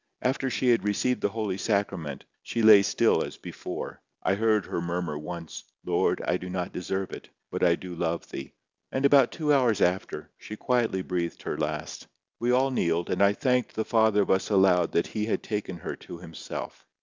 After she had received the holy sacrament, she lay still as before. I heard her murmur once, "Lord, I do not deserve it. But I do love Thee." And about two hours after, she quietly breathed her last. We all kneeled, and I thanked the Father of us aloud that He had taken her to Himself.